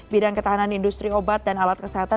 bidang ketahanan industri obat dan alat kesehatan